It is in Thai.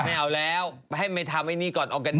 ไม่เอาแล้วให้ทำไอ้นี่ก่อนออกานิค